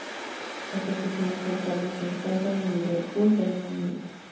Las oficinas centrales se encuentran en Liverpool, Reino Unido.